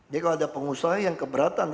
jadi kalau ada pengusaha yang keberatan